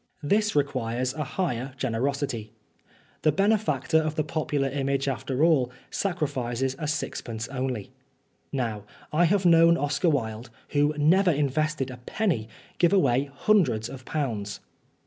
This requires a higher generosity. The bene factor of the popular image after all, Si Oscar Wilde sacrifices a sixpence only. Now, I have known Oscar Wilde, who never invested a penny, give away hundreds of pounds.